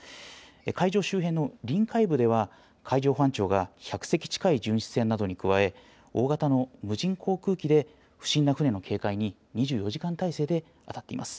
会場周辺の臨海部では、海上保安庁が１００隻近い巡視船などに加え、大型の無人航空機で不審な船の警戒に２４時間態勢で当たっています。